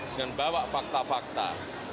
dengan bawa fakta fakta